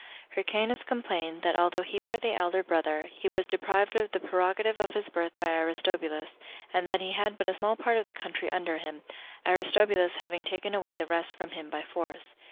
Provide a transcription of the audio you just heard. Hyrcanus complained, that although he were the elder brother, he was deprived of the prerogative of his birth by Aristobulus, and that he had but a small part of the country under him, Aristobulus having taken away the rest from him by force.